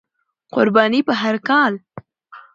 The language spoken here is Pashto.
قرباني په هر کال،